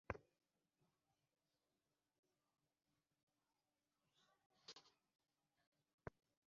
এতদিন দেবার সুবিধা হয় নাই।